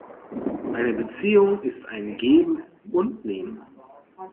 Eine Beziehung ist ein Geben und Nehmen.